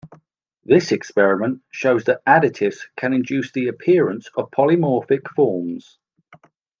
This experiment shows that additives can induce the appearance of polymorphic forms.